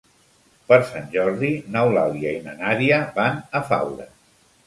Per Sant Jordi n'Eulàlia i na Nàdia van a Faura.